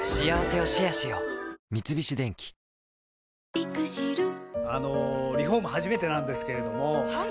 三菱電機あのリフォーム初めてなんですけれどもはい。